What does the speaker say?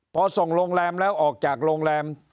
พอส่งโรงแรมแล้วออกจากโรงแรม